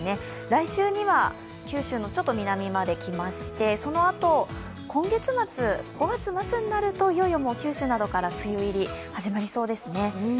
来週には、九州のちょっと南まできましてそのあと、今月末、５月末になるといよいよ九州などから梅雨入り、始まりそうですね。